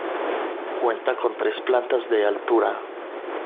Cuenta con tres plantas de altura.